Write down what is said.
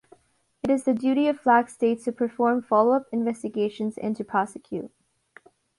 It is the duty of flag states to perform follow-up investigations and to prosecute.